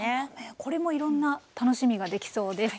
これもいろんな楽しみができそうです。